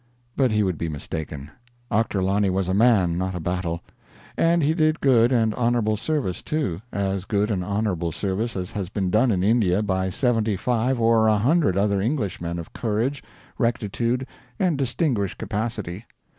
But he would be mistaken. Ochterlony was a man, not a battle. And he did good and honorable service, too; as good and honorable service as has been done in India by seventy five or a hundred other Englishmen of courage, rectitude, and distinguished capacity.